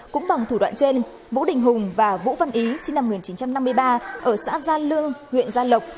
cũng bằng thủ đoạn trên vũ đình hùng và vũ văn ý sinh năm một nghìn chín trăm năm mươi ba ở xã gia lương huyện gia lộc